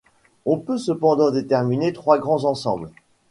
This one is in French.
On peut cependant déterminer trois grands ensembles.